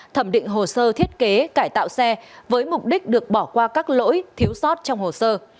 thẩm định hồ sơ thiết kế cải tạo xe với mục đích được bỏ qua các lỗi thiếu sót trong hồ sơ